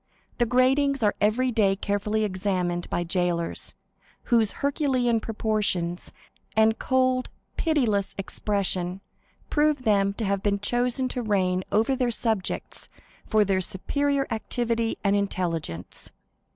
The gratings are every day carefully examined by jailers, whose herculean proportions and cold pitiless expression prove them to have been chosen to reign over their subjects for their superior activity and intelligence.